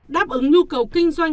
đáp ứng nhu cầu kinh doanh